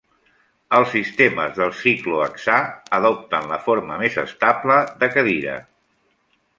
Els sistemes del ciclohexà adopten la forma més estable de cadira.